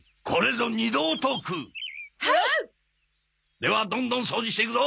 ではどんどん掃除していくぞ！